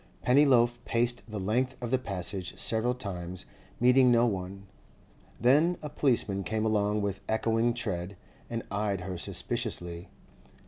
Pennyloaf paced the length of the Passage several times, meeting no one. Then a policeman came along with echoing tread, and eyed her suspiciously.